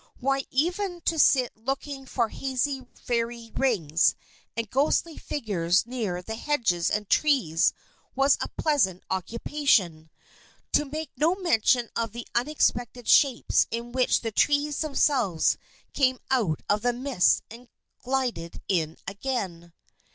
Why, even to sit looking for hazy fairy rings, and ghostly figures near the hedges and trees was a pleasant occupation, to make no mention of the unexpected shapes in which the trees themselves came out of the mists and glided in again.